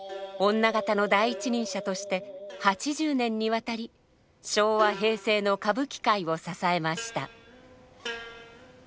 女方の第一人者として８０年にわたり昭和・平成の歌舞伎界を支えました。